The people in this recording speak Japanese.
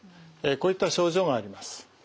こういった症状があります。